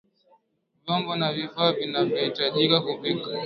Vyombo na vifaa vinavyahitajika kupika